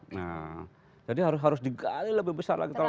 nah jadi harus digali lebih besar lah kita umum